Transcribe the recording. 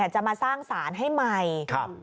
จะมาสร้างสารให้ใหม่